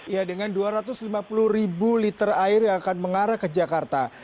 ya dengan dua ratus lima puluh ribu liter air yang akan mengarah ke jakarta